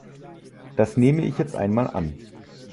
Das nehme ich jetzt einmal an.